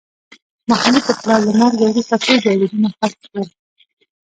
محمود د پلار له مرګه وروسته ټول جایدادونه خرڅ کړل